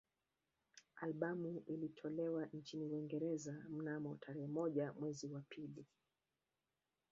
Albamu ilitolewa nchini Uingereza mnamo tarehe moja mwezi wa pili